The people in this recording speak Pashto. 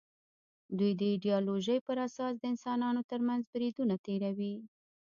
دوی د ایدیالوژۍ پر اساس د انسانانو تر منځ بریدونه تېروي